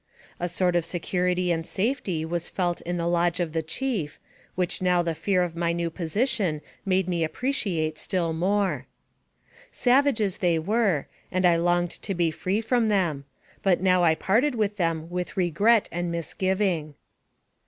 A sort of security and safety was felt in the lodge of the chief, which now the fear of my new position made me appreciate still more. Savages they were, and I had longed to be free AMONG THE SIOUX INDIANS. 173 from them ; but now I parted with them with regret and misgiving.